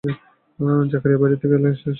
জাকারিয়া বাইরে থেকে এলে চেষ্টা করবে।